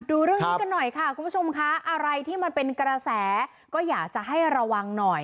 ดูเรื่องนี้กันหน่อยค่ะคุณผู้ชมค่ะอะไรที่มันเป็นกระแสก็อยากจะให้ระวังหน่อย